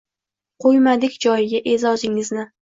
Qo’ymadik joyiga e’zozingizni